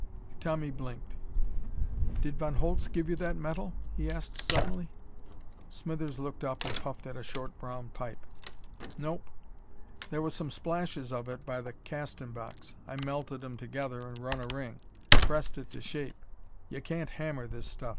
Tommy blinked. "Did Von Holtz give you that metal?" he asked suddenly. Smithers looked up and puffed at a short brown pipe. "Nope. There was some splashes of it by the castin' box. I melted 'em together an' run a ring. Pressed it to shape; y' can't hammer this stuff.